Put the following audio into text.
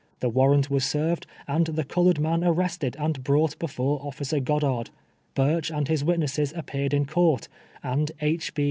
The warrant was served, and the colored man arrest ed and brought before officer Goddard. Burch and his witnesses appeared in court, and II. B.